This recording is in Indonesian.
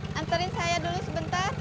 nanti aku kasih